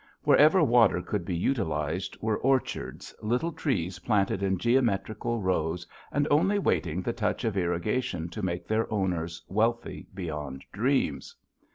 Wherever water could be utilized were orchards, little trees planted in geometrical rows and only waiting the touch of irrigation to make their owners wealthy beyond dreams.